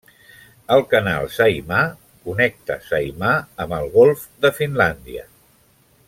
El Canal Saimaa connecta Saimaa amb el Golf de Finlàndia.